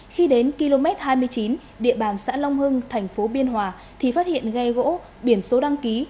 khi đến km hai mươi chín địa bàn xã long hưng thành phố biên hòa thì phát hiện ghe gỗ biển số đăng ký